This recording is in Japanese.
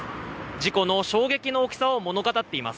事故の衝撃の大きさを物語っています。